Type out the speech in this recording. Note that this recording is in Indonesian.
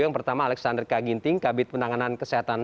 yang pertama alexander kaginting kabinet penanganan keseluruhan